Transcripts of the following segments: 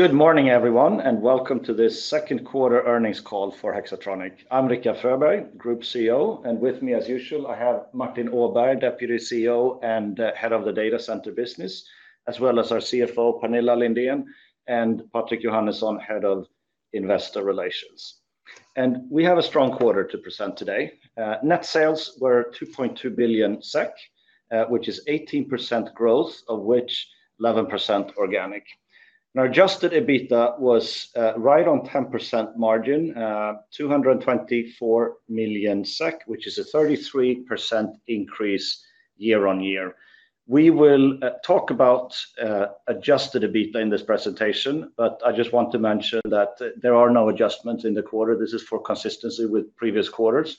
Good morning everyone, welcome to this second quarter earnings call for Hexatronic. I'm Rikard Fröberg, Group CEO, and with me as usual, I have Martin Åberg, Deputy CEO and Head of the Data Center business, as well as our CFO, Pernilla Lindén, and Patrik Johannesson, Head of Investor Relations. We have a strong quarter to present today. Net sales were 2.2 billion SEK, which is 18% growth, of which 11% organic. Adjusted EBITDA was right on 10% margin, 224 million SEK, which is a 33% increase year-on-year. We will talk about adjusted EBITDA in this presentation, but I just want to mention that there are no adjustments in the quarter. This is for consistency with previous quarters.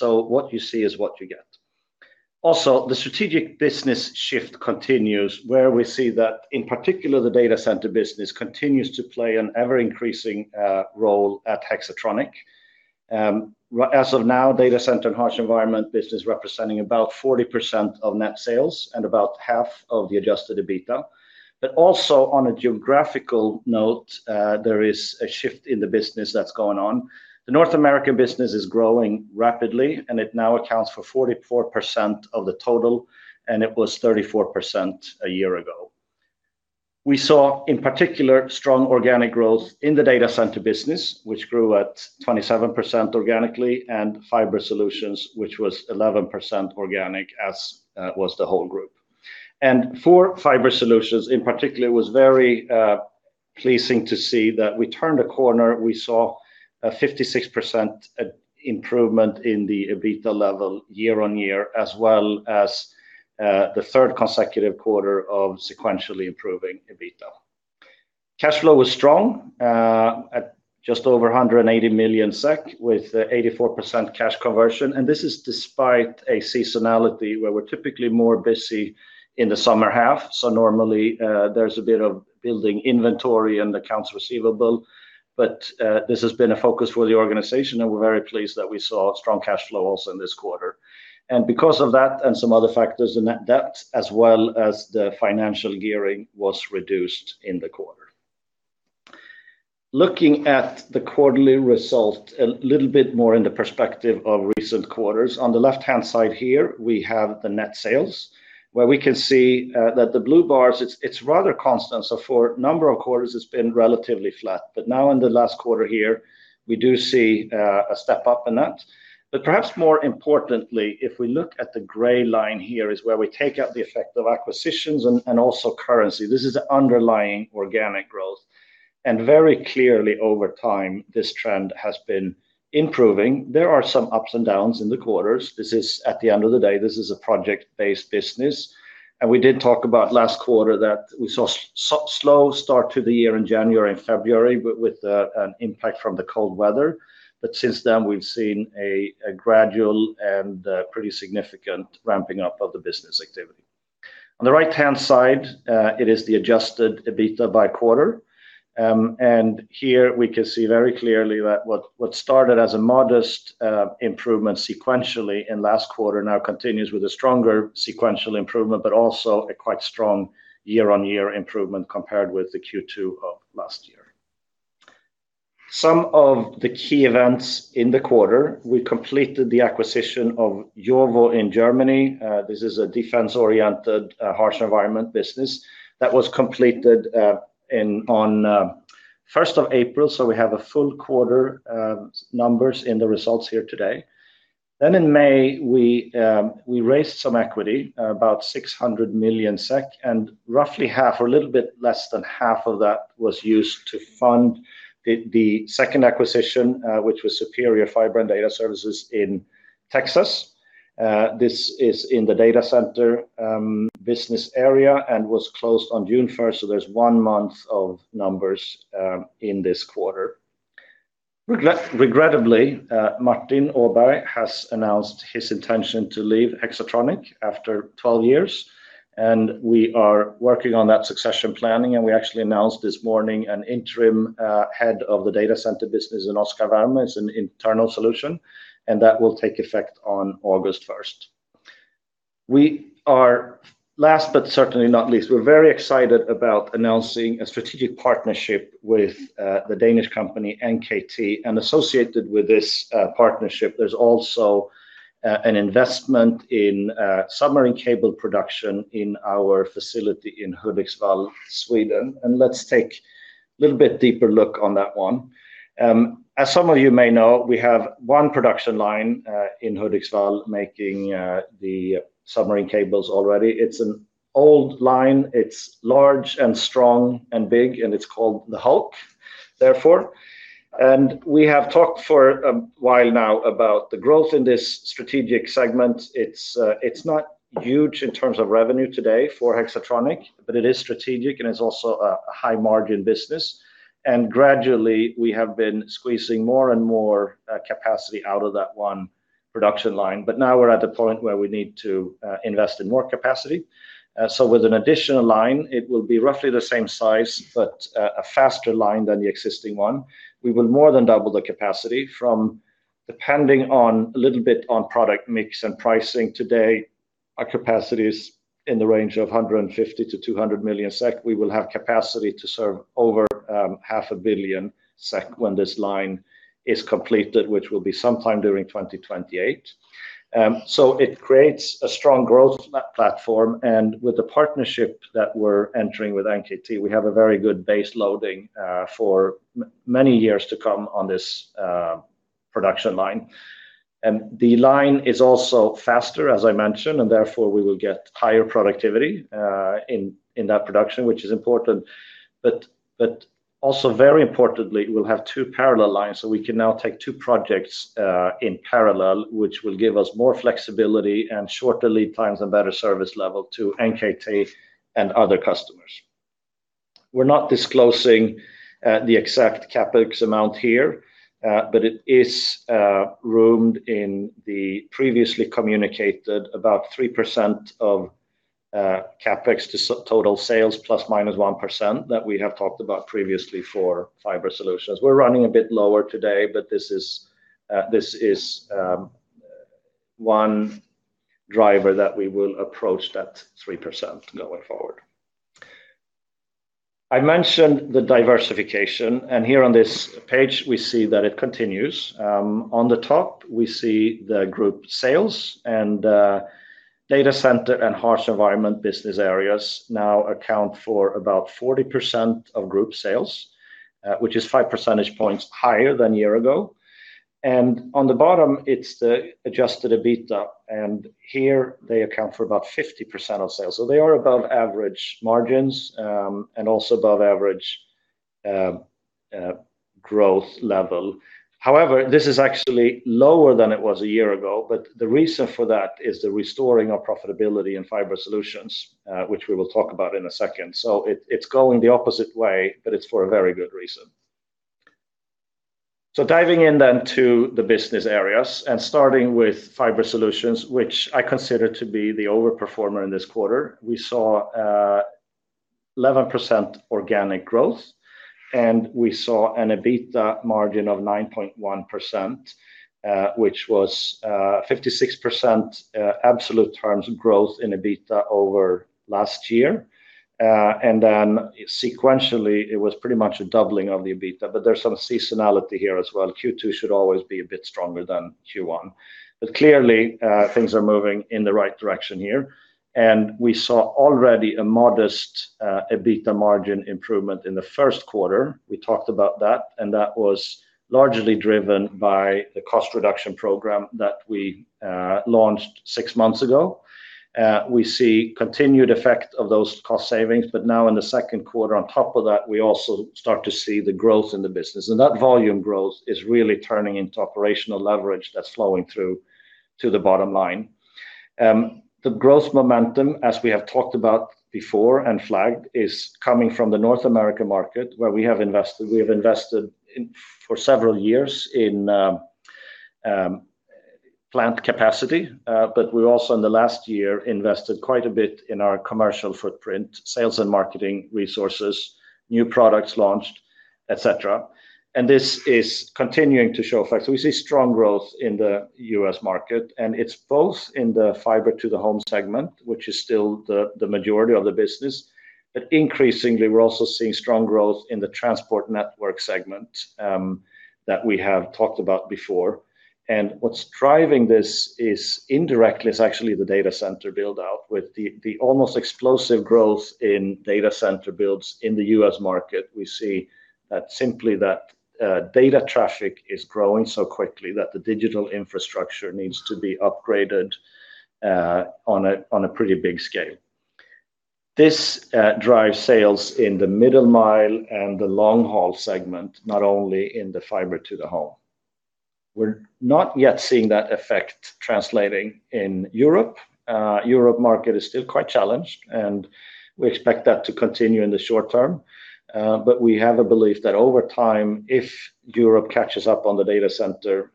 What you see is what you get. The strategic business shift continues where we see that, in particular, the Data Center business continues to play an ever-increasing role at Hexatronic. As of now, Data Center and Harsh Environment business representing about 40% of net sales and about half of the adjusted EBITDA. On a geographical note, there is a shift in the business that's going on. The North American business is growing rapidly, and it now accounts for 44% of the total, and it was 34% a year ago. We saw, in particular, strong organic growth in the Data Center business, which grew at 27% organically, and Fiber Solutions, which was 11% organic, as was the whole group. For Fiber Solutions in particular, it was very pleasing to see that we turned a corner. We saw a 56% improvement in the EBITDA level year-on-year, as well as the third consecutive quarter of sequentially improving EBITDA. Cash flow was strong at just over 180 million SEK with 84% cash conversion, and this is despite a seasonality where we're typically more busy in the summer half. Normally, there's a bit of building inventory and accounts receivable, but this has been a focus for the organization, and we're very pleased that we saw strong cash flow also in this quarter. Because of that and some other factors, the net debt as well as the financial gearing was reduced in the quarter. Looking at the quarterly result a little bit more in the perspective of recent quarters, on the left-hand side here, we have the net sales, where we can see that the blue bars, it's rather constant. For a number of quarters, it's been relatively flat. Now in the last quarter here, we do see a step up in that. Perhaps more importantly, if we look at the gray line here is where we take out the effect of acquisitions and also currency. This is the underlying organic growth. Very clearly over time, this trend has been improving. There are some ups and downs in the quarters. At the end of the day, this is a project-based business. We did talk about last quarter that we saw slow start to the year in January and February, but with an impact from the cold weather. Since then, we've seen a gradual and pretty significant ramping up of the business activity. On the right-hand side, it is the adjusted EBITDA by quarter. Here we can see very clearly that what started as a modest improvement sequentially in last quarter now continues with a stronger sequential improvement, but also a quite strong year-on-year improvement compared with the Q2 of last year. Some of the key events in the quarter, we completed the acquisition of JOWO in Germany. This is a defense-oriented, Harsh Environment business that was completed on 1st of April. We have a full quarter numbers in the results here today. In May, we raised some equity, about 600 million SEK, and roughly half or a little bit less than half of that was used to fund the second acquisition, which was Superior Fiber & Data Services in Texas. This is in the Data Center business area and was closed on June 1st. There's one month of numbers in this quarter. Regrettably, Martin Åberg has announced his intention to leave Hexatronic after 12 years, we are working on that succession planning, we actually announced this morning an interim head of the Data Center business in Oscar Wärme as an internal solution, and that will take effect on August 1st. Last, but certainly not least, we're very excited about announcing a strategic partnership with the Danish company NKT. Associated with this partnership, there's also an investment in submarine cable production in our facility in Hudiksvall, Sweden. Let's take a little bit deeper look on that one. As some of you may know, we have one production line in Hudiksvall making the submarine cables already. It's an old line. It's large and strong and big, and it's called The Hulk, therefore. We have talked for a while now about the growth in this strategic segment. It's not huge in terms of revenue today for Hexatronic, but it is strategic, and it's also a high-margin business. Gradually, we have been squeezing more and more capacity out of that one production line. Now we're at the point where we need to invest in more capacity. With an additional line, it will be roughly the same size, but a faster line than the existing one. We will more than double the capacity from, depending a little bit on product mix and pricing today Our capacity is in the range of 150 million-200 million SEK. We will have capacity to serve over 500 million SEK when this line is completed, which will be sometime during 2028. It creates a strong growth platform, with the partnership that we're entering with NKT, we have a very good base loading for many years to come on this production line. The line is also faster, as I mentioned, therefore we will get higher productivity in that production, which is important. Also very importantly, we'll have two parallel lines, so we can now take two projects in parallel, which will give us more flexibility and shorter lead times and better service level to NKT and other customers. We're not disclosing the exact CapEx amount here, but it is roomed in the previously communicated about 3% of CapEx to total sales, ±1%, that we have talked about previously for Fiber Solutions. We're running a bit lower today, but this is one driver that we will approach that 3% going forward. I mentioned the diversification, here on this page, we see that it continues. On the top, we see the group sales and Data Center and Harsh Environment business areas now account for about 40% of group sales, which is five percentage points higher than a year ago. On the bottom, it's the adjusted EBITDA, here they account for about 50% of sales. They are above average margins, also above average growth level. However, this is actually lower than it was a year ago, the reason for that is the restoring of profitability in Fiber Solutions, which we will talk about in a second. It's going the opposite way, but it's for a very good reason. Diving in then to the business areas, starting with Fiber Solutions, which I consider to be the overperformer in this quarter. We saw 11% organic growth, we saw an EBITDA margin of 9.1%, which was 56% absolute terms growth in EBITDA over last year. Then sequentially, it was pretty much a doubling of the EBITDA, there's some seasonality here as well. Q2 should always be a bit stronger than Q1. Clearly, things are moving in the right direction here, we saw already a modest EBITDA margin improvement in the first quarter. We talked about that was largely driven by the cost reduction program that we launched six months ago. We see continued effect of those cost savings. Now in the second quarter, on top of that, we also start to see the growth in the business. That volume growth is really turning into operational leverage that's flowing through to the bottom line. The growth momentum, as we have talked about before and flagged, is coming from the North America market where we have invested for several years in plant capacity. We've also, in the last year, invested quite a bit in our commercial footprint, sales and marketing resources, new products launched, et cetera. This is continuing to show effect. We see strong growth in the U.S. market, it's both in the fiber to the home segment, which is still the majority of the business. Increasingly, we're also seeing strong growth in the transport network segment that we have talked about before. What's driving this is indirectly is actually the Data Center build-out with the almost explosive growth in Data Center builds in the U.S. market. We see that simply that data traffic is growing so quickly that the digital infrastructure needs to be upgraded on a pretty big scale. This drives sales in the middle mile and the long-haul segment, not only in the fiber to the home. We're not yet seeing that effect translating in Europe. Europe market is still quite challenged, we expect that to continue in the short term. We have a belief that over time, if Europe catches up on the Data Center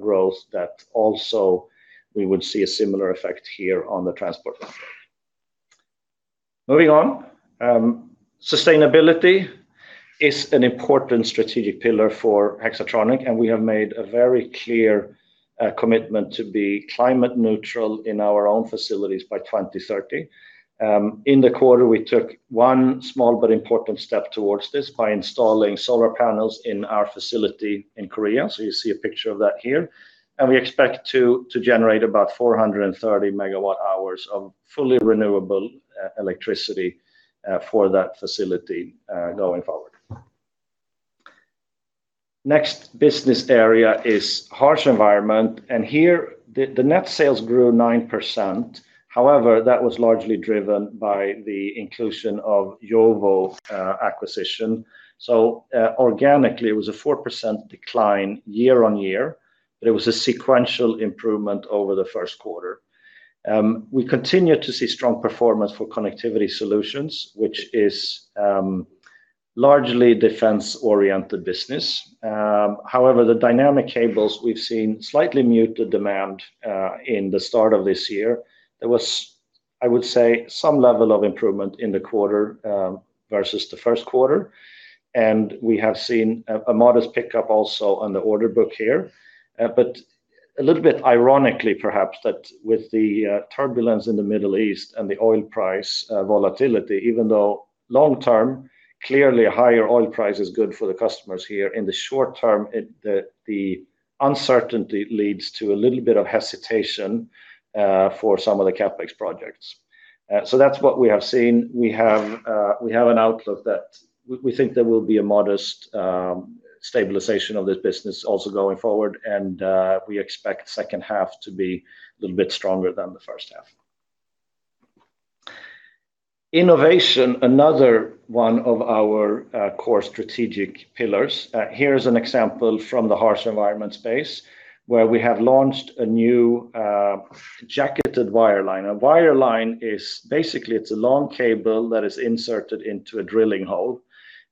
growth, that also we would see a similar effect here on the transport network. Moving on. Sustainability is an important strategic pillar for Hexatronic, we have made a very clear commitment to be climate neutral in our own facilities by 2030. In the quarter, we took one small but important step towards this by installing solar panels in our facility in Korea. You see a picture of that here. We expect to generate about 430 megawatt hours of fully renewable electricity for that facility going forward. Next business area is Harsh Environment, and here the net sales grew 9%. However, that was largely driven by the inclusion of JOWO acquisition. Organically, it was a 4% decline year-on-year, but it was a sequential improvement over the first quarter. We continue to see strong performance for connectivity solutions, which is largely defense-oriented business. However, the dynamic cables we've seen slightly mute the demand in the start of this year. There was I would say some level of improvement in the quarter versus the first quarter. We have seen a modest pickup also on the order book here, a little bit ironically, perhaps that with the turbulence in the Middle East and the oil price volatility, even though long term, clearly a higher oil price is good for the customers here, in the short term, the uncertainty leads to a little bit of hesitation for some of the CapEx projects. That's what we have seen. We have an outlook that we think there will be a modest stabilization of this business also going forward and we expect second half to be a little bit stronger than the first half. Innovation, another one of our core strategic pillars. Here's an example from the harsher environment space, where we have launched a new jacketed wireline. A wireline is basically, it's a long cable that is inserted into a drilling hole,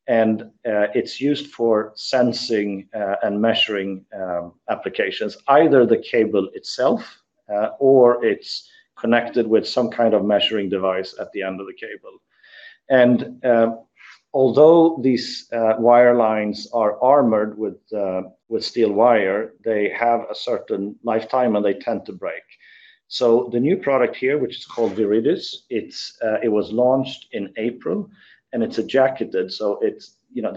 and it's used for sensing and measuring applications, either the cable itself or it's connected with some kind of measuring device at the end of the cable. Although these wirelines are armored with steel wire, they have a certain lifetime, and they tend to break. The new product here, which is called VIRIDIS, it was launched in April, and it's a jacketed.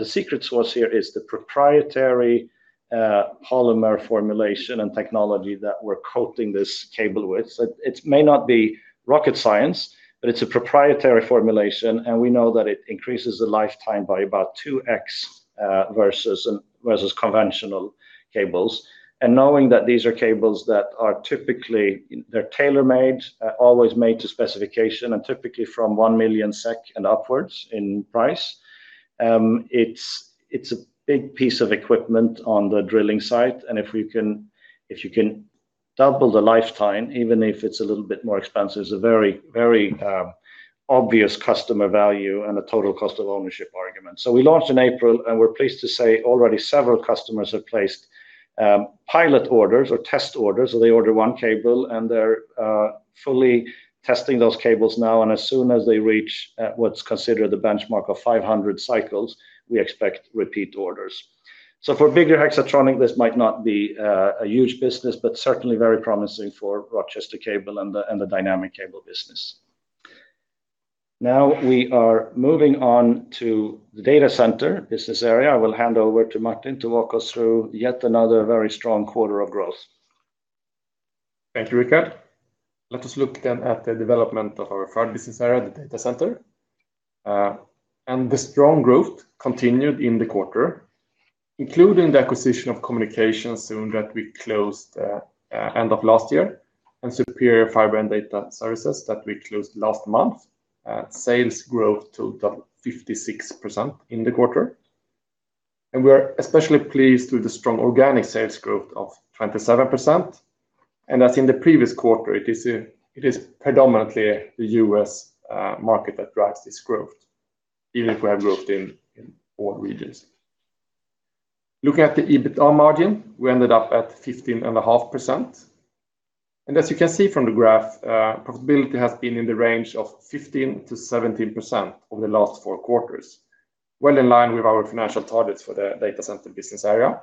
The secret sauce here is the proprietary polymer formulation and technology that we're coating this cable with. It may not be rocket science, but it's a proprietary formulation, and we know that it increases the lifetime by about 2X versus conventional cables. Knowing that these are cables that are typically, they're tailor-made, always made to specification, and typically from 1 million SEK and upwards in price. It's a big piece of equipment on the drilling site. If you can double the lifetime, even if it's a little bit more expensive, it's a very obvious customer value and a total cost of ownership argument. We launched in April, and we're pleased to say already several customers have placed pilot orders or test orders. They order one cable, and they're fully testing those cables now, and as soon as they reach what's considered the benchmark of 500 cycles, we expect repeat orders. For bigger Hexatronic, this might not be a huge business, but certainly very promising for Rochester Cable and the dynamic cable business. We are moving on to the Data Center business area. I will hand over to Martin to walk us through yet another very strong quarter of growth. Thank you, Rikard. Let us look then at the development of our third business area, the Data Center. The strong growth continued in the quarter, including the acquisition of Communication Zone that we closed end of last year and Superior Fiber & Data Services that we closed last month. Sales growth totaled 56% in the quarter. We're especially pleased with the strong organic sales growth of 27%. As in the previous quarter, it is predominantly the U.S. market that drives this growth, even if we have growth in all regions. Looking at the EBITDA margin, we ended up at 15.5%. As you can see from the graph, profitability has been in the range of 15%-17% over the last four quarters. Well in line with our financial targets for the Data Center business area.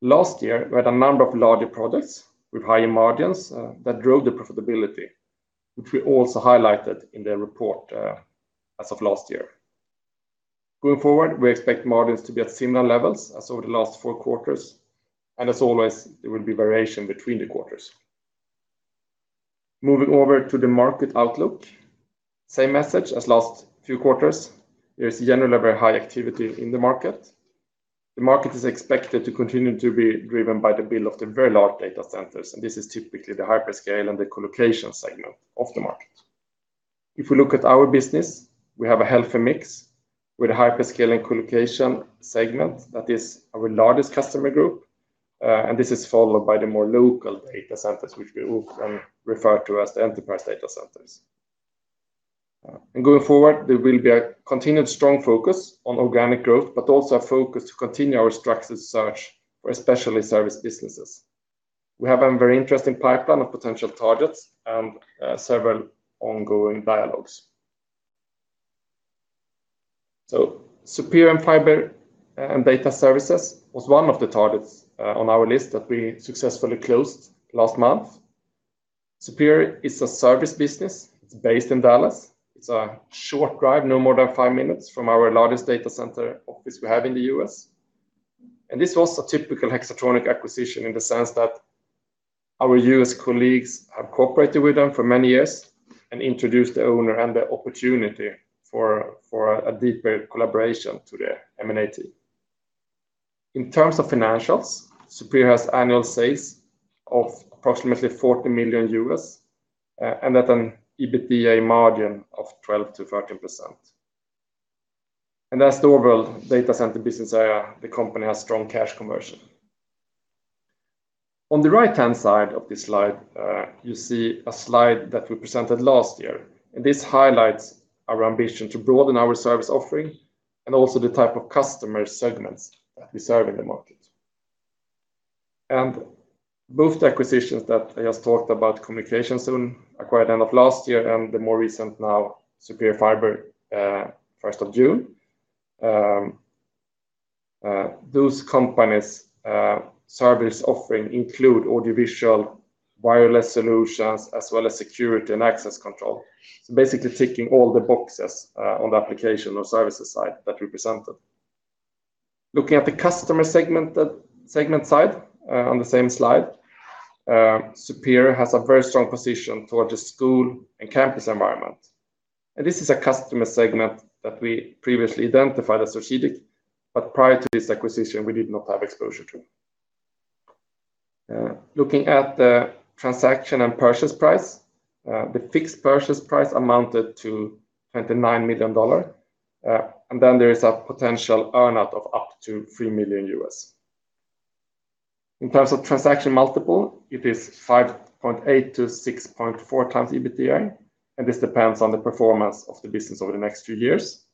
Last year, we had a number of larger products with higher margins that drove the profitability, which we also highlighted in the report as of last year. Going forward, we expect margins to be at similar levels as over the last four quarters. As always, there will be variation between the quarters. Moving over to the market outlook, same message as last few quarters. There is generally a very high activity in the market. The market is expected to continue to be driven by the build of the very large data centers, and this is typically the hyperscale and the colocation segment of the market. If we look at our business, we have a healthy mix with a hyperscale and colocation segment that is our largest customer group. This is followed by the more local data centers, which we often refer to as the enterprise data centers. Going forward, there will be a continued strong focus on organic growth, but also a focus to continue our structured search for especially service businesses. We have a very interesting pipeline of potential targets and several ongoing dialogues. Superior Fiber & Data Services was one of the targets on our list that we successfully closed last month. Superior is a service business. It's based in Dallas. It's a short drive, no more than five minutes from our largest Data Center office we have in the U.S. This was a typical Hexatronic acquisition in the sense that our U.S. colleagues have cooperated with them for many years and introduced the owner and the opportunity for a deeper collaboration to the M&A team. In terms of financials, Superior has annual sales of approximately $40 million and at an EBITDA margin of 12%-13%. As the overall Data Center business area, the company has strong cash conversion. On the right-hand side of this slide, you see a slide that we presented last year, and this highlights our ambition to broaden our service offering and also the type of customer segments that we serve in the market. Both acquisitions that I just talked about, Communication Zone acquired end of last year and the more recent now Superior Fiber, 1st of June. Those companies' service offering include audiovisual wireless solutions as well as security and access control. Basically ticking all the boxes on the application or services side that we presented. Looking at the customer segment side on the same slide, Superior has a very strong position towards the school and campus environment. This is a customer segment that we previously identified as strategic, but prior to this acquisition, we did not have exposure to. Looking at the transaction and purchase price, the fixed purchase price amounted to $29 million. Then there is a potential earn-out of up to $3 million. In terms of transaction multiple, it is 5.8x-6.4x EBITDA, and this depends on the performance of the business over the next few years.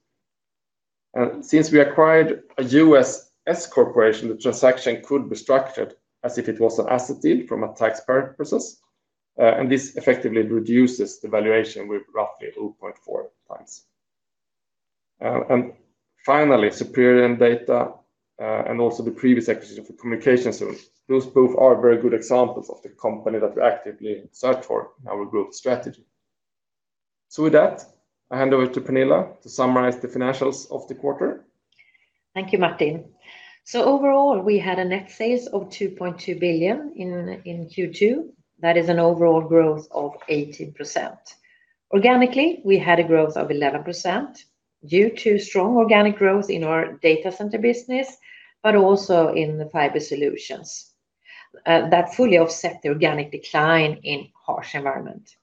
Since we acquired a U.S. S corporation, the transaction could be structured as if it was an asset deal from a tax purposes. This effectively reduces the valuation with roughly 0.4x. Finally, Superior and Data, and also the previous acquisition for Communication Zone. Those both are very good examples of the company that we actively search for in our group strategy. With that, I hand over to Pernilla to summarize the financials of the quarter. Thank you, Martin. Overall, we had a net sales of 2.2 billion in Q2. That is an overall growth of 18%. Organically, we had a growth of 11% due to strong organic growth in our Data Center business, but also in the Fiber Solutions that fully offset the organic decline in Harsh Environment.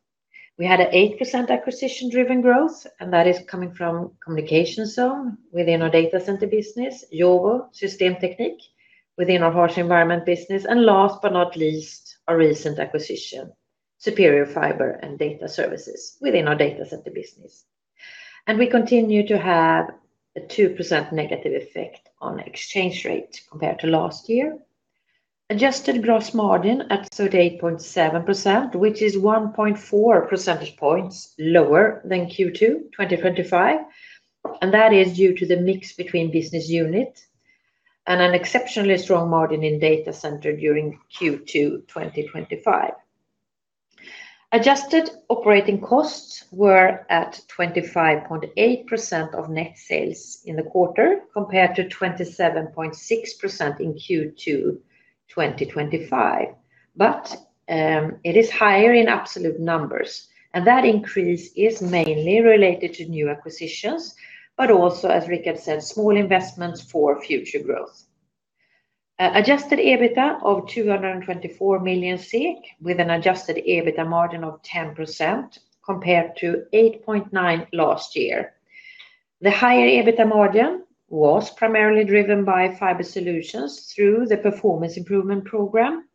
We had an 8% acquisition-driven growth, that is coming from Communication Zone within our Data Center business, JOWO Systemtechnik within our Harsh Environment business, and last but not least, our recent acquisition, Superior Fiber & Data Services within our Data Center business. We continue to have a 2% negative effect on exchange rate compared to last year. Adjusted gross margin at 38.7%, which is 1.4 percentage points lower than Q2 2025, and that is due to the mix between business unit and an exceptionally strong margin in Data Center during Q2 2025. Adjusted operating costs were at 25.8% of net sales in the quarter, compared to 27.6% in Q2 2025. It is higher in absolute numbers, and that increase is mainly related to new acquisitions, but also, as Rikard said, small investments for future growth. Adjusted EBITDA of 224 million SEK, with an adjusted EBITDA margin of 10%, compared to 8.9% last year. The higher EBITDA margin was primarily driven by Fiber Solutions through the performance improvement program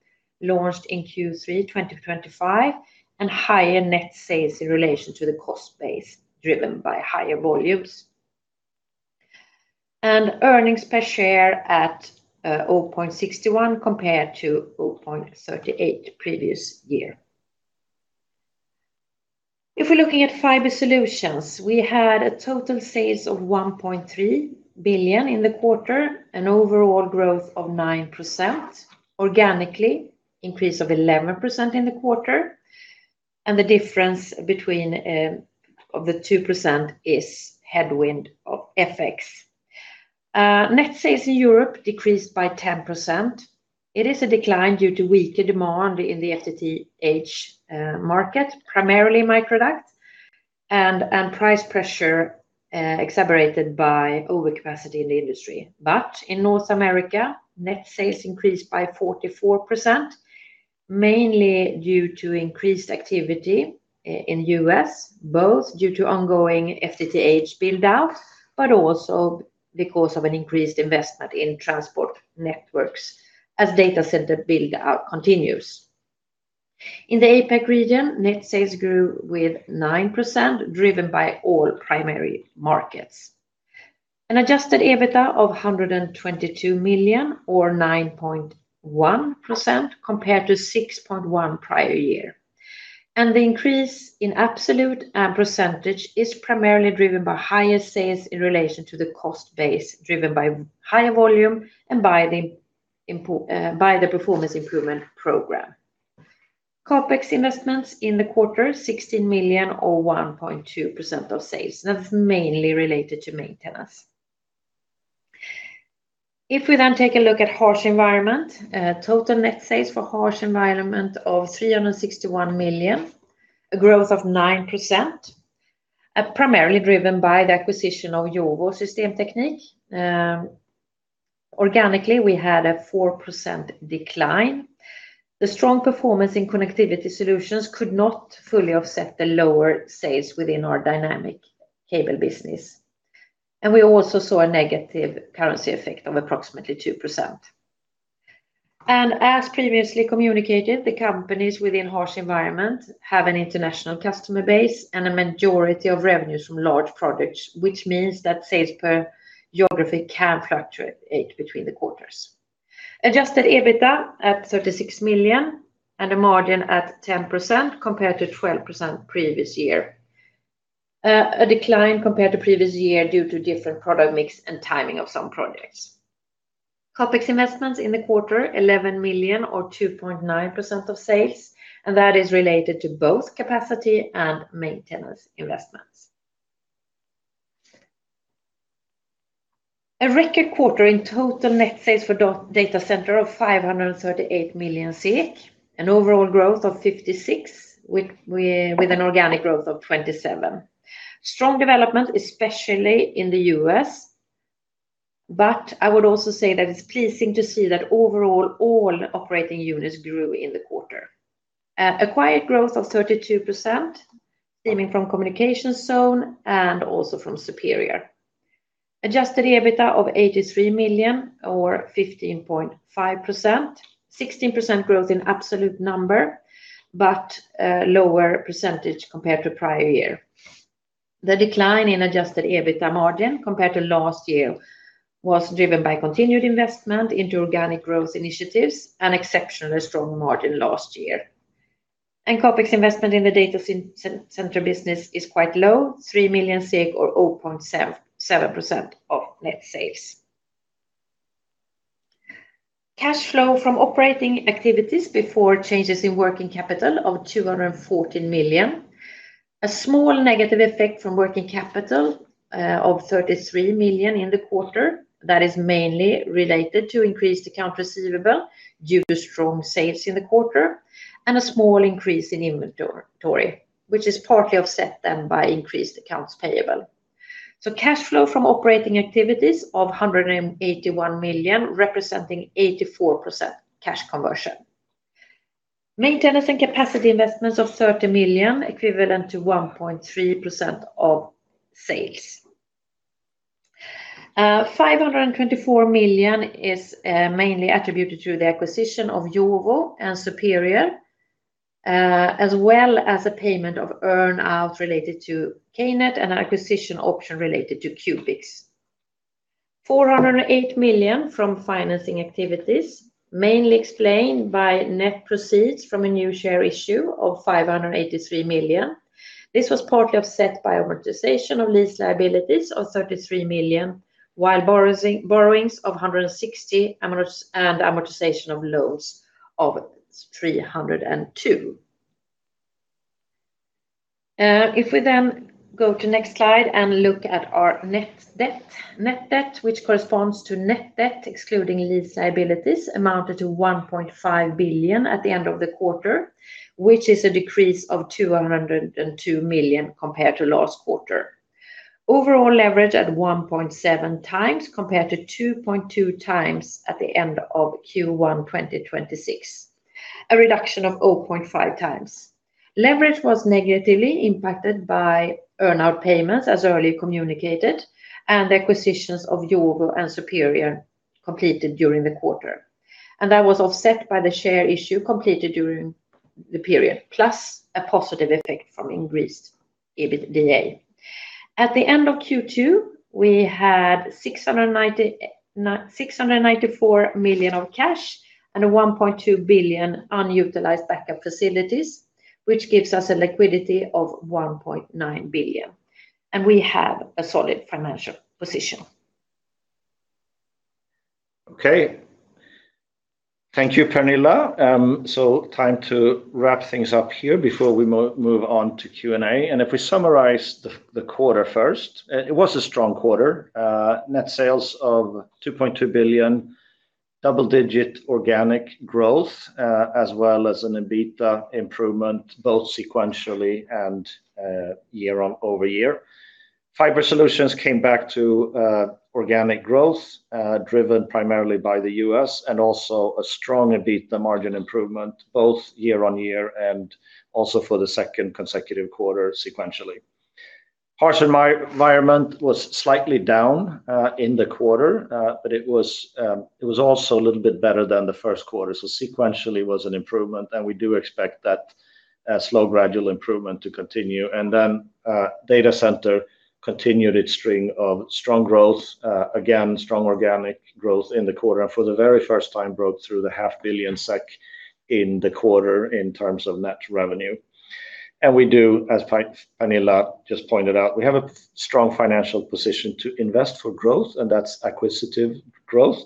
launched in Q3 2025 and higher net sales in relation to the cost base driven by higher volumes. Earnings per share at 0.61 compared to 0.38 previous year. If we're looking at Fiber Solutions, we had a total sales of 1.3 billion in the quarter, an overall growth of 9%. Organically, increase of 11% in the quarter, and the difference between of the 2% is headwind of FX. Net sales in Europe decreased by 10%. It is a decline due to weaker demand in the FTTH market, primarily micro duct, and price pressure exacerbated by overcapacity in the industry. In North America, net sales increased by 44%, mainly due to increased activity in U.S., both due to ongoing FTTH build-out, but also because of an increased investment in transport networks as Data Center build-out continues. In the APAC region, net sales grew with 9%, driven by all primary markets. Adjusted EBITDA of 122 million or 9.1% compared to 6.1% prior year. The increase in absolute percentage is primarily driven by higher sales in relation to the cost base, driven by higher volume and by the performance improvement program. CapEx investments in the quarter, 16 million or 1.2% of sales. That is mainly related to maintenance. If we take a look at Harsh Environment, total net sales for Harsh Environment of 361 million, a growth of 9%, primarily driven by the acquisition of JOWO Systemtechnik. Organically, we had a 4% decline. The strong performance in Connectivity Solutions could not fully offset the lower sales within our dynamic cable business. We also saw a negative currency effect of approximately 2%. As previously communicated, the companies within Harsh Environment have an international customer base and a majority of revenues from large projects, which means that sales per geography can fluctuate between the quarters. Adjusted EBITDA at 36 million and a margin at 10% compared to 12% previous year. A decline compared to previous year due to different product mix and timing of some projects. CapEx investments in the quarter, 11 million or 2.9% of sales, that is related to both capacity and maintenance investments. A record quarter in total net sales for Data Center of 538 million, an overall growth of 56% with an organic growth of 27%. Strong development, especially in the U.S. I would also say that it is pleasing to see that overall all operating units grew in the quarter. Acquired growth of 32% stemming from Communication Zone and also from Superior. Adjusted EBITDA of 83 million or 15.5%, 16% growth in absolute number, but lower percentage compared to prior year. The decline in adjusted EBITDA margin compared to last year was driven by continued investment into organic growth initiatives and exceptionally strong margin last year. CapEx investment in the Data Center business is quite low, 3 million or 0.7% of net sales. Cash flow from operating activities before changes in working capital of 214 million. A small negative effect from working capital of 33 million in the quarter. That is mainly related to increased accounts receivable due to strong sales in the quarter, and a small increase in inventory, which is partly offset by increased accounts payable. Cash flow from operating activities of 181 million, representing 84% cash conversion. Maintenance and capacity investments of 30 million, equivalent to 1.3% of sales. 524 million is mainly attributed to the acquisition of JOWO and Superior, as well as a payment of earn-out related to KNET and an acquisition option related to Qubix. 408 million from financing activities, mainly explained by net proceeds from a new share issue of 583 million. This was partly offset by amortization of lease liabilities of 33 million, while borrowings of 160 million and amortization of loans of 302 million. If we go to next slide and look at our net debt. Net debt, which corresponds to net debt excluding lease liabilities, amounted to 1.5 billion at the end of the quarter, which is a decrease of 202 million compared to last quarter. Overall leverage at 1.7x compared to 2.2x at the end of Q1 2026, a reduction of 0.5x. Leverage was negatively impacted by earn-out payments, as earlier communicated, and acquisitions of JOWO and Superior completed during the quarter. That was offset by the share issue completed during the period, plus a positive effect from increased EBITDA. At the end of Q2, we had 694 million of cash and a 1.2 billion unutilized backup facilities, which gives us a liquidity of 1.9 billion, we have a solid financial position. Okay. Thank you, Pernilla. Time to wrap things up here before we move on to Q&A. If we summarize the quarter first, it was a strong quarter. Net sales of 2.2 billion, double-digit organic growth, as well as an EBITDA improvement both sequentially and year-over-year. Fiber Solutions came back to organic growth, driven primarily by the U.S. and also a strong EBITDA margin improvement, both year-on-year and also for the second consecutive quarter sequentially. Harsh Environment was slightly down in the quarter, it was also a little bit better than the first quarter. Sequentially was an improvement, we do expect that slow gradual improvement to continue. Data Center continued its string of strong growth. Again, strong organic growth in the quarter, for the very first time broke through the half billion SEK in the quarter in terms of net revenue. We do, as Pernilla just pointed out, we have a strong financial position to invest for growth, that's acquisitive growth,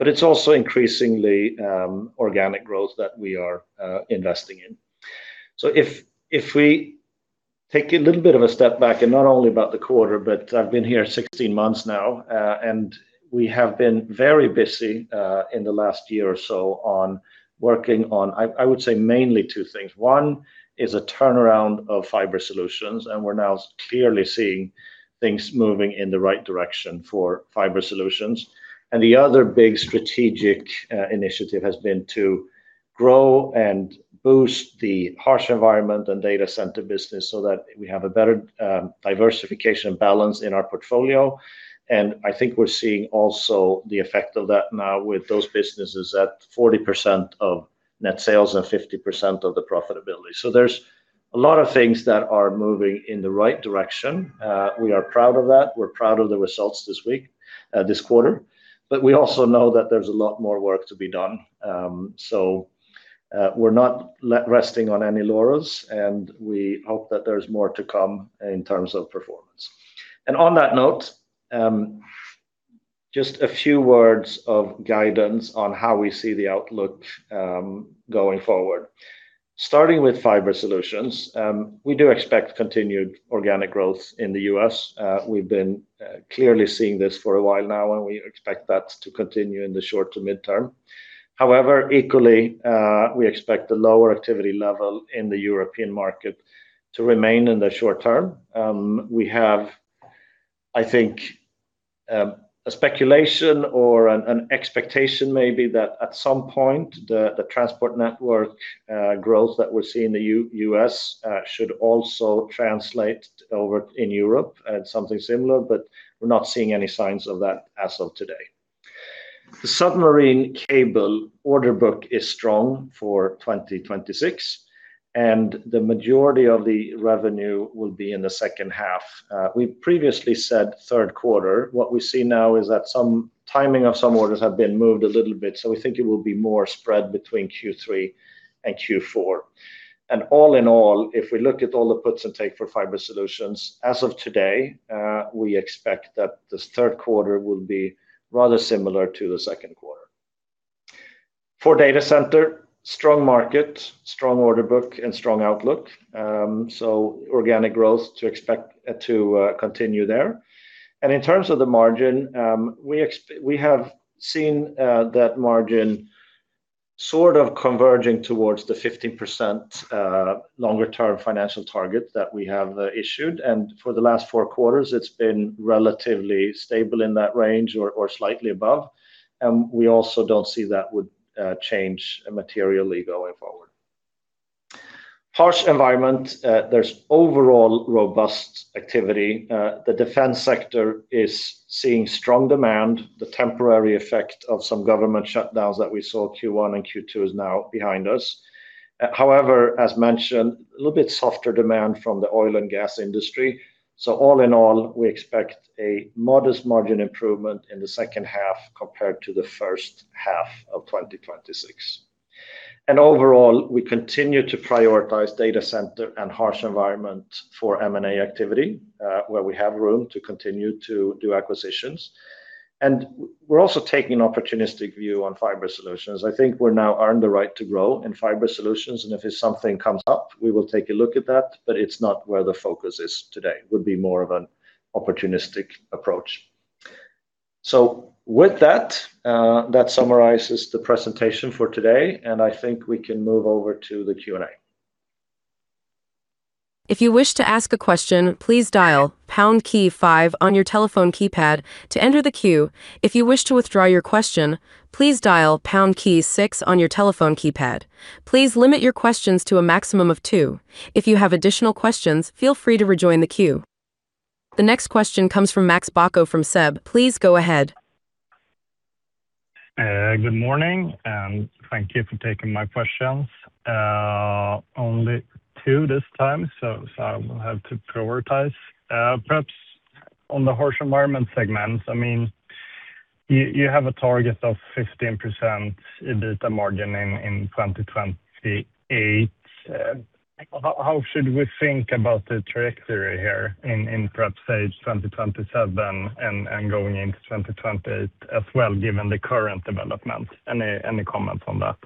it's also increasingly organic growth that we are investing in. If we take a little bit of a step back, not only about the quarter, but I've been here 16 months now, we have been very busy in the last year or so on working on, I would say mainly two things. One is a turnaround of Fiber Solutions, we're now clearly seeing things moving in the right direction for Fiber Solutions. The other big strategic initiative has been to grow and boost the Harsh Environment and Data Center business so that we have a better diversification and balance in our portfolio. I think we're seeing also the effect of that now with those businesses at 40% of net sales and 50% of the profitability. There's a lot of things that are moving in the right direction. We are proud of that. We're proud of the results this week, this quarter. We also know that there's a lot more work to be done. We're not resting on any laurels, we hope that there's more to come in terms of performance. On that note, just a few words of guidance on how we see the outlook going forward. Starting with Fiber Solutions, we do expect continued organic growth in the U.S. We've been clearly seeing this for a while now, we expect that to continue in the short to midterm. However, equally, we expect the lower activity level in the European market to remain in the short term. We have, I think, a speculation or an expectation maybe that at some point, the transport network growth that we see in the U.S. should also translate over in Europe at something similar, we're not seeing any signs of that as of today. The submarine cable order book is strong for 2026, the majority of the revenue will be in the second half. We previously said third quarter. What we see now is that some timing of some orders have been moved a little bit, so we think it will be more spread between Q3 and Q4. All in all, if we look at all the puts and take for Fiber Solutions, as of today, we expect that this third quarter will be rather similar to the second quarter. For Data Center, strong market, strong order book, strong outlook. Organic growth to continue there. In terms of the margin, we have seen that margin sort of converging towards the 15% longer-term financial target that we have issued. For the last four quarters, it's been relatively stable in that range or slightly above. We also don't see that would change materially going forward. Harsh Environment, there's overall robust activity. The defense sector is seeing strong demand. The temporary effect of some government shutdowns that we saw Q1 and Q2 is now behind us. However, as mentioned, a little bit softer demand from the oil and gas industry. All in all, we expect a modest margin improvement in the second half compared to the first half of 2026. Overall, we continue to prioritize Data Center and Harsh Environment for M&A activity, where we have room to continue to do acquisitions. We're also taking an opportunistic view on Fiber Solutions. I think we now earn the right to grow in Fiber Solutions, if something comes up, we will take a look at that, it's not where the focus is today. Would be more of an opportunistic approach. With that summarizes the presentation for today, I think we can move over to the Q&A. If you wish to ask a question, please dial pound key five on your telephone keypad to enter the queue. If you wish to withdraw your question, please dial pound key six on your telephone keypad. Please limit your questions to a maximum of two. If you have additional questions, feel free to rejoin the queue. The next question comes from Max Bacco from SEB. Please go ahead. Good morning, and thank you for taking my questions. Only two this time, so I will have to prioritize. Perhaps on the Harsh Environment segment. You have a target of 15% EBITA margin in 2028. How should we think about the trajectory here in, perhaps, say, 2027 and going into 2028 as well, given the current development? Any comments on that?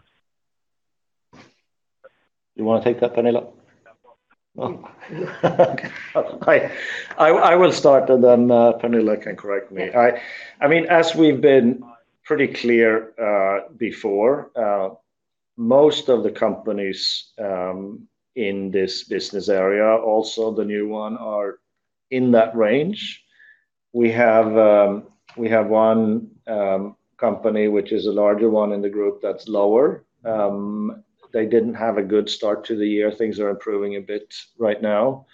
You want to take that, Pernilla? No. I will start, and then Pernilla can correct me. As we've been pretty clear before, most of the companies in this business area, also the new one, are in that range. We have one company which is a larger one in the group that's lower. They didn't have a good start to the year. Things are improving a bit right now.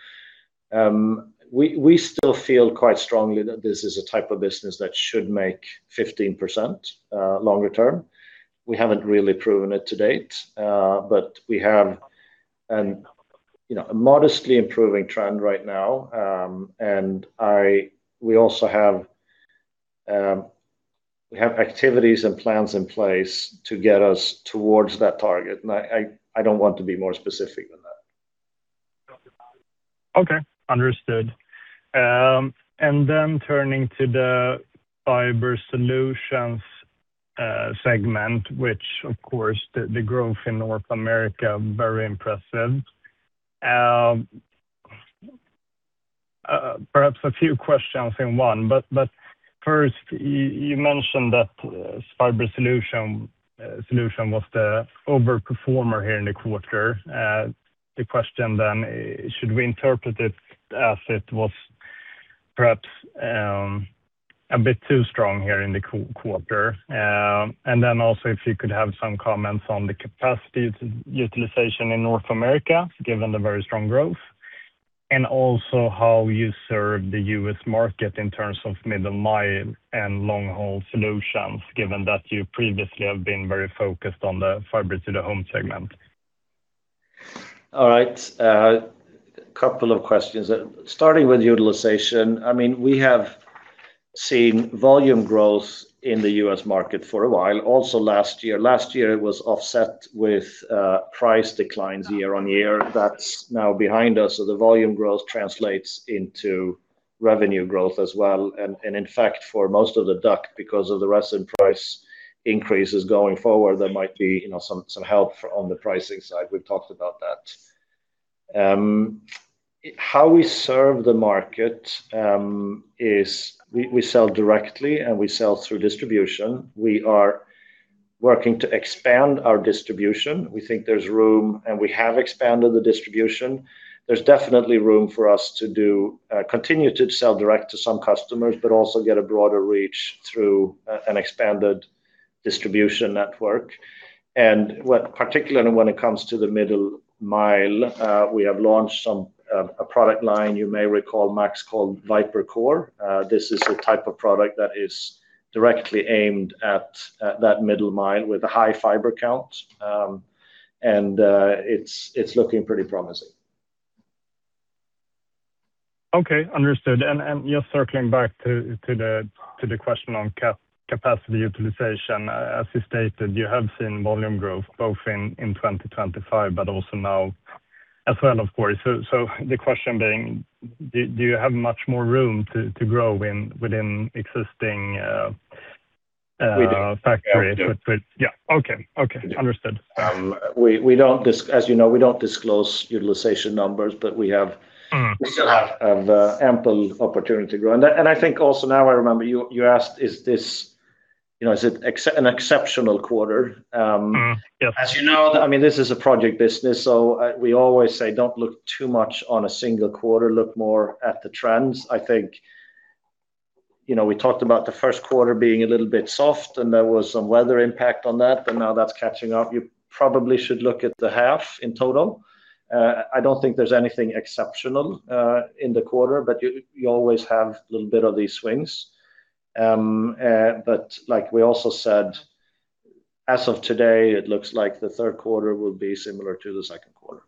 We still feel quite strongly that this is a type of business that should make 15% longer term. We haven't really proven it to date, but we have a modestly improving trend right now. We also have activities and plans in place to get us towards that target. I don't want to be more specific than that. Okay. Understood. Turning to the Fiber Solutions segment, which of course, the growth in North America, very impressive. Perhaps a few questions in one. First, you mentioned that Fiber Solutions was the overperformer here in the quarter. The question, should we interpret it as it was perhaps a bit too strong here in the quarter? Also, if you could have some comments on the capacity utilization in North America, given the very strong growth. Also how you serve the U.S. market in terms of middle mile and long-haul solutions, given that you previously have been very focused on the fiber to the home segment. All right. A couple of questions. Starting with utilization, we have seen volume growth in the U.S. market for a while. Also last year. Last year, it was offset with price declines year-over-year. That's now behind us. The volume growth translates into revenue growth as well. In fact, for most of the duct, because of the resin price increases going forward, there might be some help on the pricing side. We've talked about that. How we serve the market is we sell directly and we sell through distribution. We are working to expand our distribution. We think there's room, and we have expanded the distribution. There's definitely room for us to continue to sell direct to some customers, but also get a broader reach through an expanded distribution network. Particularly when it comes to the middle mile, we have launched a product line, you may recall, Max, called Viper Core. This is a type of product that is directly aimed at that middle mile with a high fiber count. It's looking pretty promising. Okay, understood. Just circling back to the question on capacity utilization. As you stated, you have seen volume growth both in 2025, but also now as well, of course. The question being, do you have much more room to grow within existing- We do factories. Yeah. Okay. Understood. As you know, we don't disclose utilization numbers, but we still have ample opportunity to grow. I think also now I remember you asked, is it an exceptional quarter? Yep. As you know, this is a project business, so we always say, don't look too much on a single quarter, look more at the trends. I think we talked about the first quarter being a little bit soft, and there was some weather impact on that, and now that's catching up. You probably should look at the half in total. I don't think there's anything exceptional in the quarter, but you always have a little bit of these swings. Like we also said, as of today, it looks like the third quarter will be similar to the second quarter.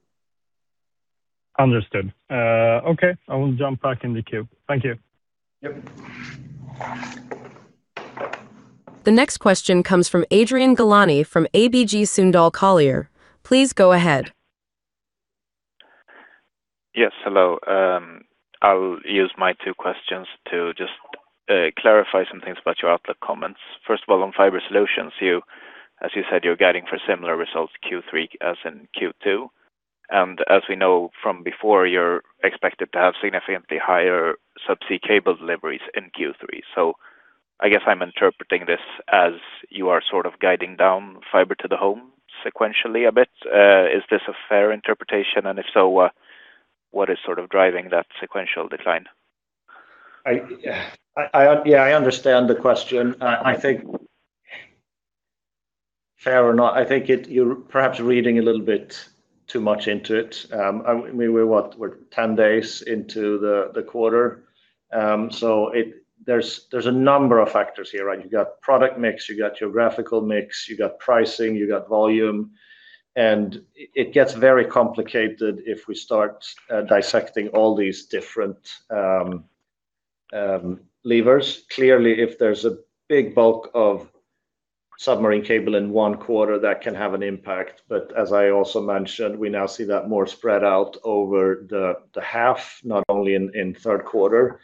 Understood. Okay, I will jump back in the queue. Thank you. Yep. The next question comes from Adrian Gilani from ABG Sundal Collier. Please go ahead. Yes, hello. I'll use my two questions to just clarify some things about your outlook comments. First of all, on Fiber Solutions, as you said, you're guiding for similar results Q3 as in Q2. As we know from before, you're expected to have significantly higher subsea cable deliveries in Q3. I guess I'm interpreting this as you are sort of guiding down fiber to the home sequentially a bit. Is this a fair interpretation, and if so, what is sort of driving that sequential decline? Yeah, I understand the question. I think fair or not, I think you're perhaps reading a little bit too much into it. We're what? We're 10 days into the quarter. There's a number of factors here, right? You got product mix, you got geographical mix, you got pricing, you got volume, and it gets very complicated if we start dissecting all these different levers. Clearly, if there's a big bulk of submarine cable in one quarter, that can have an impact. As I also mentioned, we now see that more spread out over the half, not only in third quarter.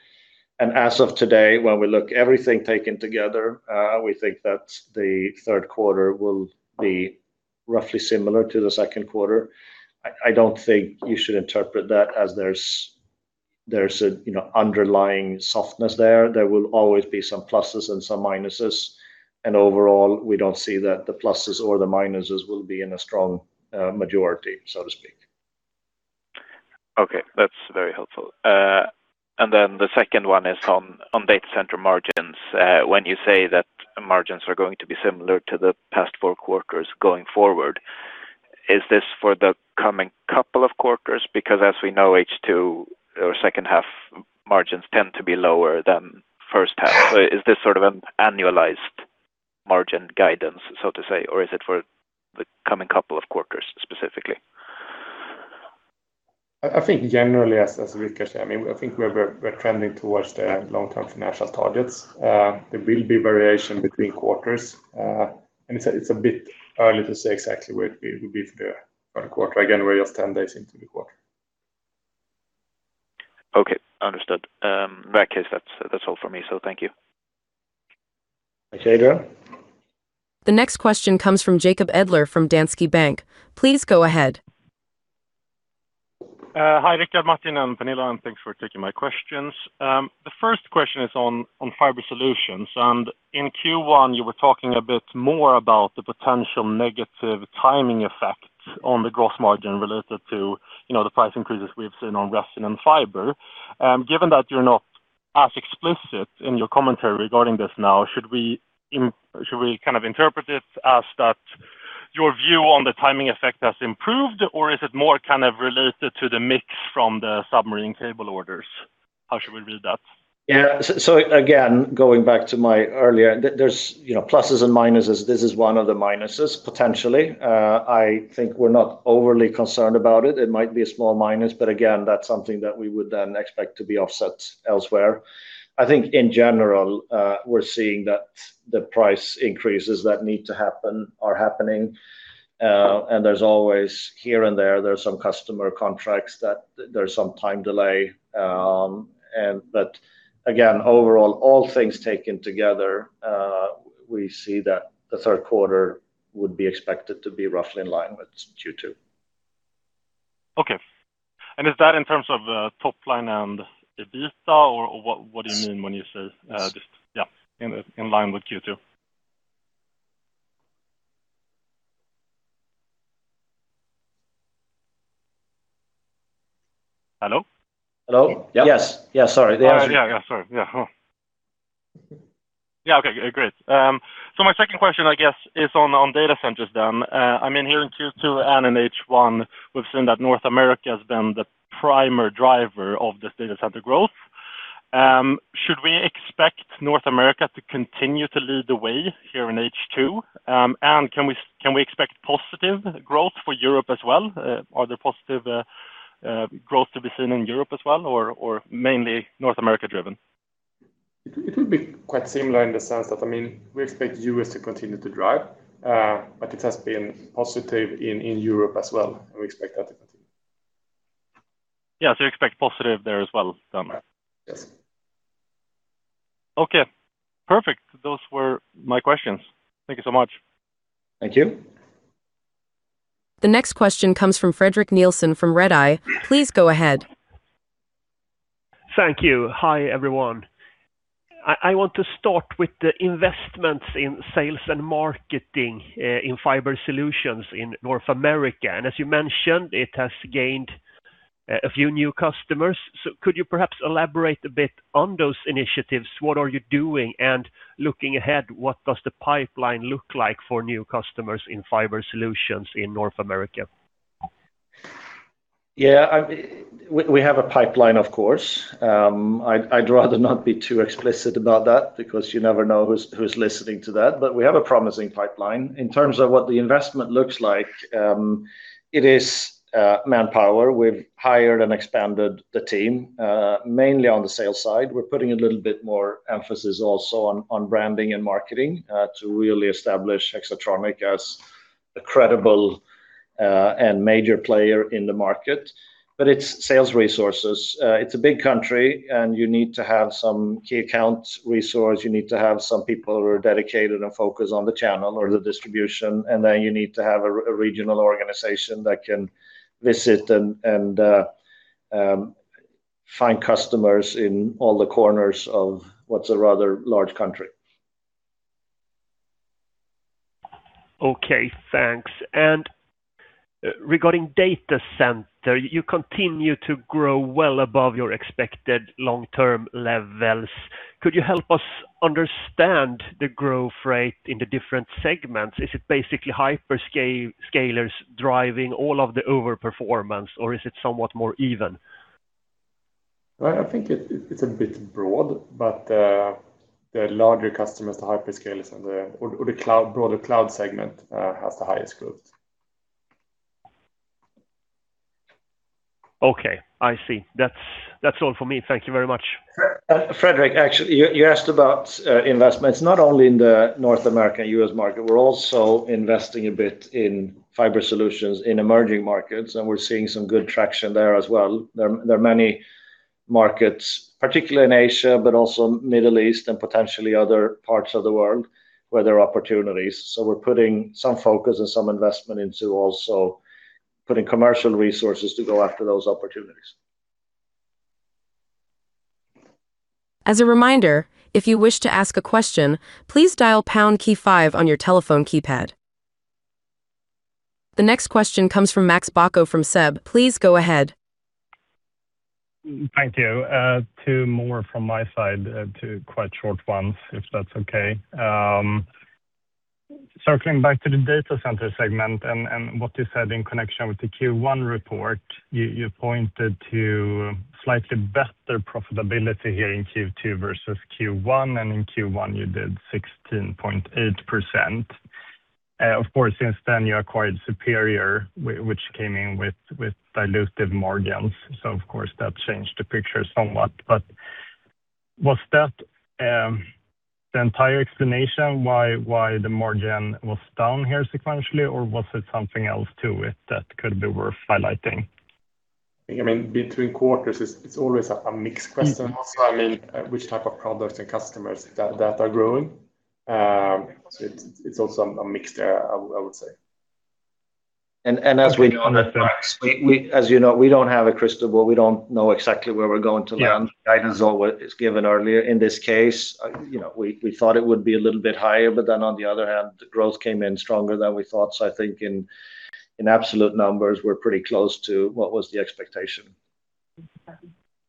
As of today, when we look everything taken together, we think that the third quarter will be roughly similar to the second quarter. I don't think you should interpret that as there's an underlying softness there. There will always be some pluses and some minuses. Overall, we don't see that the pluses or the minuses will be in a strong majority, so to speak. Okay, that's very helpful. The second one is on Data Center margins. When you say that margins are going to be similar to the past four quarters going forward, is this for the coming couple of quarters? Because as we know, H2 or second half margins tend to be lower than first half. Is this sort of an annualized margin guidance, so to say, or is it for the coming couple of quarters specifically? I think generally, as Rikard said, I think we're trending towards the long-term financial targets. There will be variation between quarters. It's a bit early to say exactly where it will be for the current quarter. Again, we're just 10 days into the quarter. Okay, understood. In that case, that's all for me. Thank you. Thanks, Adrian. The next question comes from Jacob Edler from Danske Bank. Please go ahead. Hi, Rikard, Martin, and Pernilla, and thanks for taking my questions. The first question is on Fiber Solutions. In Q1, you were talking a bit more about the potential negative timing effect on the gross margin related to the price increases we've seen on resin and fiber. Given that you're not as explicit in your commentary regarding this now, should we interpret it as that your view on the timing effect has improved, or is it more related to the mix from the submarine cable orders? How should we read that? Yeah. Again, going back to my earlier, there's pluses and minuses. This is one of the minuses, potentially. I think we're not overly concerned about it. It might be a small minus, but again, that's something that we would then expect to be offset elsewhere. I think in general, we're seeing that the price increases that need to happen are happening. There's always here and there's some customer contracts that there's some time delay. Again, overall, all things taken together, we see that the third quarter would be expected to be roughly in line with Q2. Okay. Is that in terms of top line and EBITA, or what do you mean when you say- Yes just, yeah, in line with Q2? Hello? Hello. Yeah. Yes. Yeah, sorry. The answer. Yeah. Sorry. Yeah. Okay, great. My second question, I guess, is on Data Centers then. Here in Q2 and in H1, we've seen that North America has been the primary driver of this Data Center growth. Should we expect North America to continue to lead the way here in H2? Can we expect positive growth for Europe as well? Are there positive growth to be seen in Europe as well, or mainly North America driven? It will be quite similar in the sense that, we expect U.S. to continue to drive, but it has been positive in Europe as well, and we expect that to continue. Yeah. You expect positive there as well then? Yes. Okay. Perfect. Those were my questions. Thank you so much. Thank you. The next question comes from Fredrik Nilsson from Redeye. Please go ahead. Thank you. Hi, everyone. I want to start with the investments in sales and marketing in Fiber Solutions in North America. As you mentioned, it has gained a few new customers. Could you perhaps elaborate a bit on those initiatives? What are you doing? Looking ahead, what does the pipeline look like for new customers in Fiber Solutions in North America? Yeah. We have a pipeline, of course. I'd rather not be too explicit about that, because you never know who's listening to that. We have a promising pipeline. In terms of what the investment looks like, it is manpower. We've hired and expanded the team, mainly on the sales side. We're putting a little bit more emphasis also on branding and marketing to really establish Hexatronic as a credible and major player in the market. It's sales resources. It's a big country, and you need to have some key accounts resource. You need to have some people who are dedicated and focused on the channel or the distribution. You need to have a regional organization that can visit and find customers in all the corners of what's a rather large country. Okay. Thanks. Regarding Data Center, you continue to grow well above your expected long-term levels. Could you help us understand the growth rate in the different segments? Is it basically hyperscalers driving all of the over-performance, or is it somewhat more even? I think it's a bit broad, but the larger customers, the hyperscalers, or the broader cloud segment, has the highest growth. Okay. I see. That's all for me. Thank you very much. Fredrik, actually, you asked about investments, not only in the North America and U.S. market. We're also investing a bit in Fiber Solutions in emerging markets, and we're seeing some good traction there as well. There are many markets, particularly in Asia, but also Middle East, and potentially other parts of the world where there are opportunities. We're putting some focus and some investment into also putting commercial resources to go after those opportunities. As a reminder, if you wish to ask a question, please dial pound, key five on your telephone keypad. The next question comes from Max Bacco from SEB. Please go ahead. Thank you. Two more from my side, two quite short ones, if that's okay. Circling back to the Data Center segment and what you said in connection with the Q1 report, you pointed to slightly better profitability here in Q2 versus Q1, and in Q1, you did 16.8%. Of course, since then, you acquired Superior, which came in with dilutive margins. Of course, that changed the picture somewhat. Was that the entire explanation why the margin was down here sequentially, or was it something else to it that could be worth highlighting? Between quarters, it's always a mixed question also. Which type of products and customers that are growing. It's also a mix there, I would say. As we know, Max. Okay. Understood. As you know, we don't have a crystal ball. We don't know exactly where we're going to land. Yeah. Guidance is always given earlier. In this case, we thought it would be a little bit higher, on the other hand, the growth came in stronger than we thought. I think in absolute numbers, we're pretty close to what was the expectation.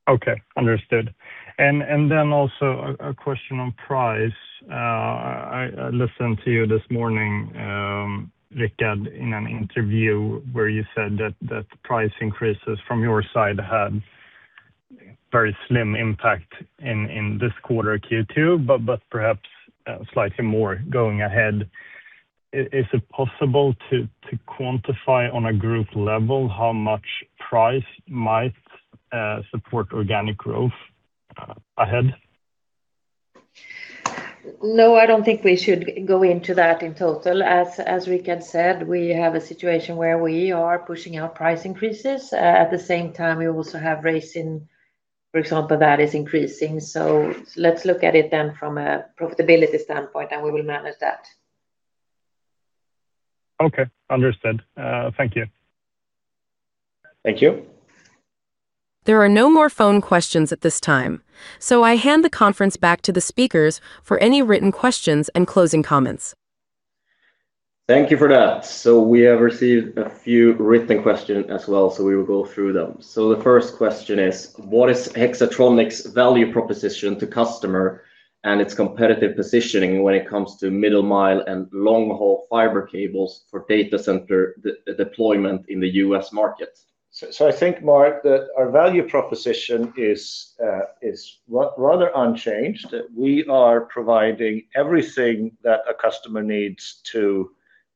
Okay, understood. Also a question on price. I listened to you this morning, Rikard, in an interview where you said that the price increases from your side had very slim impact in this quarter, Q2, perhaps slightly more going ahead. Is it possible to quantify on a group level how much price might support organic growth ahead? No, I don't think we should go into that in total. As Rikard said, we have a situation where we are pushing our price increases. At the same time, we also have rates, for example, that is increasing. Let's look at it then from a profitability standpoint, we will manage that. Okay, understood. Thank you. Thank you. There are no more phone questions at this time. I hand the conference back to the speakers for any written questions and closing comments. Thank you for that. We have received a few written questions as well. We will go through them. The first question is, what is Hexatronic's value proposition to customer and its competitive positioning when it comes to middle mile and long-haul fiber cables for Data Center deployment in the U.S. market? I think, mark, that our value proposition is rather unchanged. We are providing everything that a customer needs to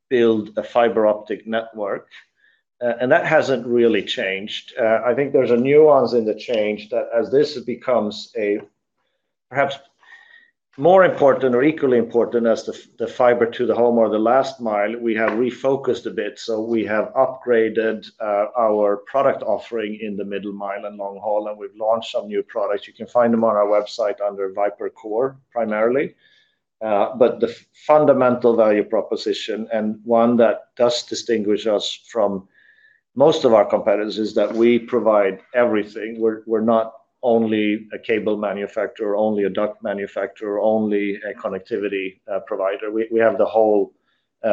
build a fiber optic network, and that hasn't really changed. I think there's a nuance in the change that as this becomes perhaps more important or equally important as the fiber to the home or the last mile, we have refocused a bit. We have upgraded our product offering in the middle mile and long haul, and we've launched some new products. You can find them on our website under Viper Core primarily. But the fundamental value proposition, and one that does distinguish us from most of our competitors, is that we provide everything. We're not only a cable manufacturer, only a duct manufacturer, only a connectivity provider. We have the whole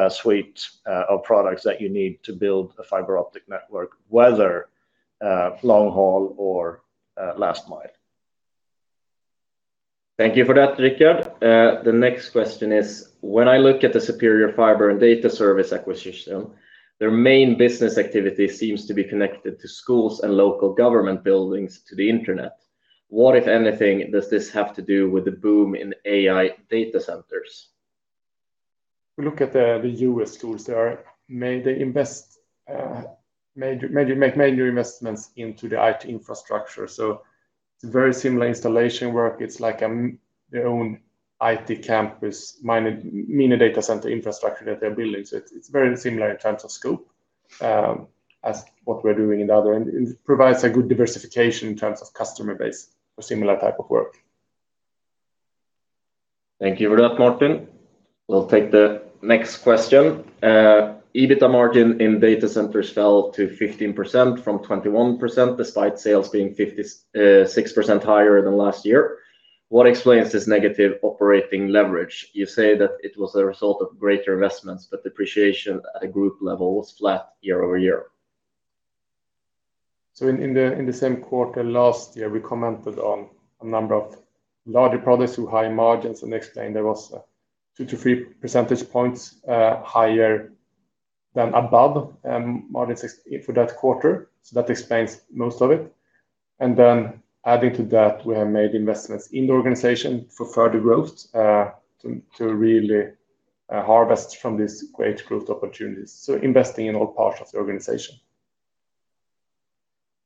suite of products that you need to build a fiber optic network, whether long haul or last mile. Thank you for that, Rikard. The next question is, when I look at the Superior Fiber & Data Services acquisition, their main business activity seems to be connected to schools and local government buildings to the Internet. What, if anything, does this have to do with the boom in AI data centers? If you look at the U.S. schools, they make major investments into the IT infrastructure. It's very similar installation work. It's like their own IT campus mini data center infrastructure that they're building. It's very similar in terms of scope as what we're doing in other, and it provides a good diversification in terms of customer base for similar type of work. Thank you for that, Martin. We'll take the next question. EBITDA margin in Data Center fell to 15% from 21%, despite sales being 56% higher than last year. What explains this negative operating leverage? You say that it was a result of greater investments, but depreciation at a group level was flat year-over-year. In the same quarter last year, we commented on a number of larger products with high margins and explained there was two to three percentage points higher than above margin for that quarter. That explains most of it. Adding to that, we have made investments in the organization for further growth to really harvest from these great growth opportunities. Investing in all parts of the organization.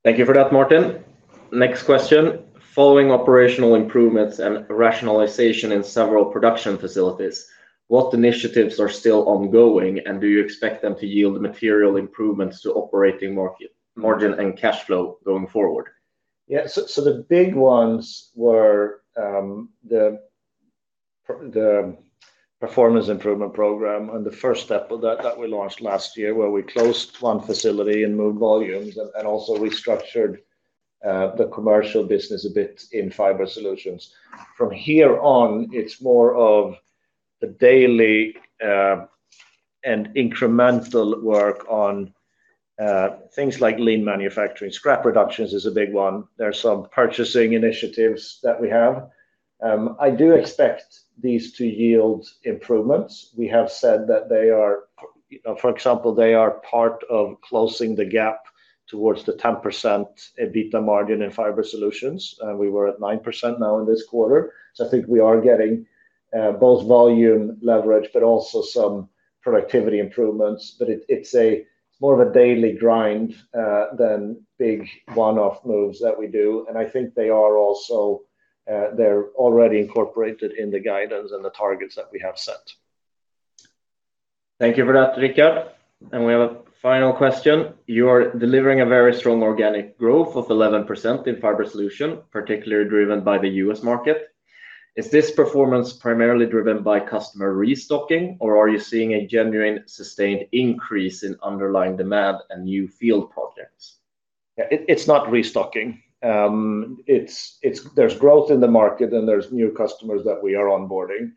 Thank you for that, Martin. Next question. Following operational improvements and rationalization in several production facilities, what initiatives are still ongoing, and do you expect them to yield material improvements to operating margin and cash flow going forward? The big ones were the performance improvement program and the first step of that we launched last year, where we closed one facility and moved volumes, and also restructured the commercial business a bit in Fiber Solutions. From here on, it's more of the daily and incremental work on things like lean manufacturing. Scrap reductions is a big one. There are some purchasing initiatives that we have. I do expect these to yield improvements. We have said that they are, for example, part of closing the gap towards the 10% EBITDA margin in Fiber Solutions. We were at 9% now in this quarter. I think we are getting both volume leverage but also some productivity improvements. It's more of a daily grind than big one-off moves that we do. I think they're already incorporated in the guidance and the targets that we have set. Thank you for that, Rikard. We have a final question. You are delivering a very strong organic growth of 11% in Fiber Solutions, particularly driven by the U.S. market. Is this performance primarily driven by customer restocking, or are you seeing a genuine, sustained increase in underlying demand and new field projects? It's not restocking. There's growth in the market, and there's new customers that we are onboarding.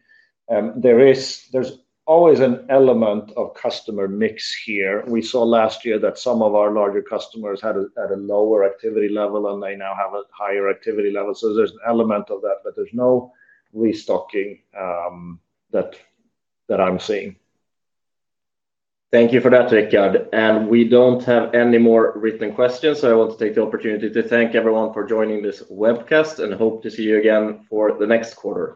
There's always an element of customer mix here. We saw last year that some of our larger customers had a lower activity level, and they now have a higher activity level. There's an element of that, but there's no restocking that I'm seeing. Thank you for that, Rikard. We don't have any more written questions, so I want to take the opportunity to thank everyone for joining this webcast, and hope to see you again for the next quarter.